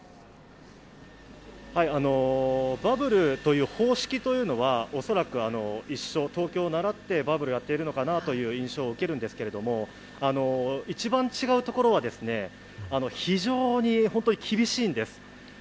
バブルという方式というのは、恐らく一緒、東京にならってバブルをしているのかなという印象を受けるんですが一番違うところは、非常に厳しいんです。